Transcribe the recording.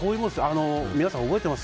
皆さん、覚えてます？